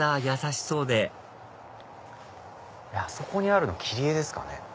優しそうであそこにあるの切り絵ですかね？